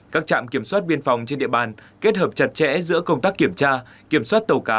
các trạm kiểm soát biên phòng trên địa bàn kết hợp chặt chẽ giữa công tác kiểm tra kiểm soát tàu cá